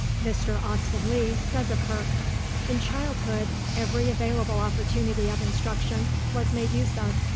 Mr. Austen Leigh says of her— "In childhood every available opportunity of instruction was made use of.